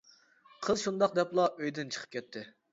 قىز شۇنداق دەپلا ئۆيدىن چىقىپ كەتتى.